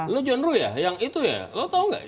lo john roo ya yang itu ya lo tau gak